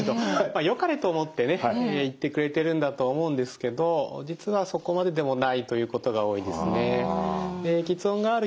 よかれと思ってね言ってくれてるんだと思うんですけど実はそこまででもないということが多いですね。